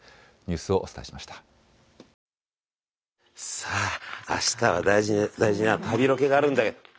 さああしたは大事な大事な旅ロケがあるんだよ。